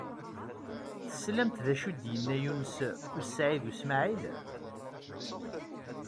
Teslamt d acu i d-yenna Yunes u Saɛid u Smaɛil?